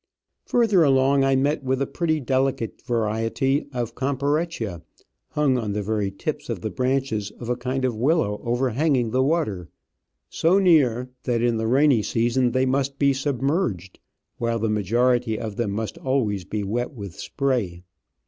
Further along I met with a pretty delicate variety of Comparettia hung on the very tips of the branches of a kind of willow overhanging the water, so near that in the rainy season they must be submerged, while the majority of them must always be wet with spray.